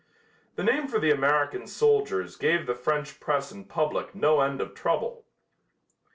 The name for the American soldiers gave the French press and public no end of trouble.